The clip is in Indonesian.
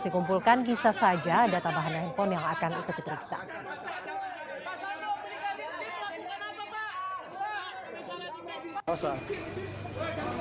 dikumpulkan bisa saja data bahan handphone tersebut tidak dikumpulkan dan dikumpulkan